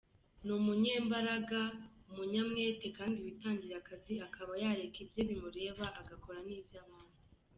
Ni umunyembaraga, umunyamwete kandi witangira akazi akaba yareka ibye bimureba agakora n’iby’abandi.